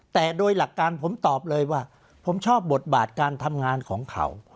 แต่โดยหลักการผมตอบเลยว่าผมชอบบทบาทการทำงานของเขา